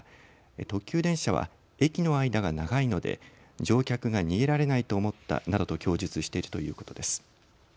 特急電車は駅の間が長いので乗客が逃げられないと思ったなどと供述してきていうことです。